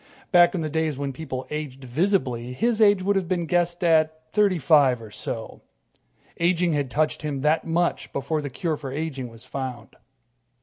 Back in the days when people aged visibly, his age would have been guessed at thirty five or so. Aging had touched him that much before the cure for aging was found.